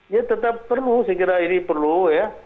ya tetap perlu saya kira ini perlu ya